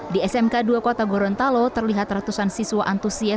di smk dua kota gorontalo terlihat ratusan siswa antusias